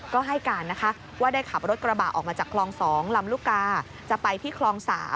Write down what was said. ก็ให้การนะคะว่าได้ขับรถกระบะออกมาจากคลอง๒ลำลูกกาจะไปที่คลอง๓